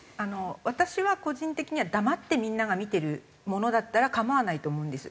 私は個人的には黙ってみんなが見てるものだったら構わないと思うんです。